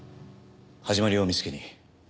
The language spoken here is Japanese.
始まりを見つけに。